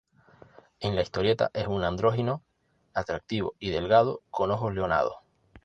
En la historieta, es un andrógino atractivo y delgado, con ojos leonados.